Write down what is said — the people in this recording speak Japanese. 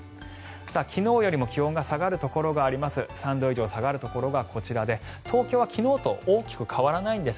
昨日よりも気温が下がるところがあります。